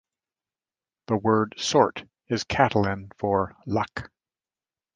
The word "sort" is Catalan for "luck".